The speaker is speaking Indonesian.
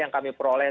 yang kami peroleh